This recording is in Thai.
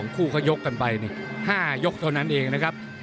คู่เขายกกันไป๕ยกเท่านั้นเองนะครับ